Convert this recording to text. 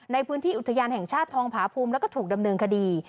ในพื้นที่อุทยานแห่งชาติทองผาภูมิแล้วก็ถูกดำเนินคดี